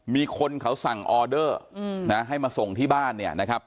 มีคนเขาสั่งออเดอร์นะให้มาส่งที่บ้านเนี่ยนะครับ